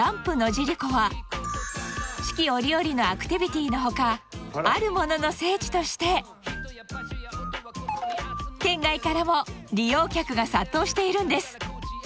野尻湖は四季折々のアクティビティの他あるものの聖地として県外からも利用客が殺到しているんです